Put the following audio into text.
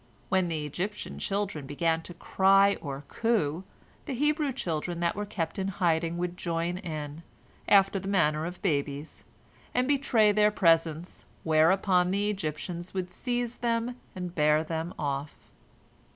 When the Egyptian children began to cry or coo, the Hebrew children that were kept in hiding would join in, after the manner of babies, and betray their presence, whereupon the Egyptians would seize them and bear them off.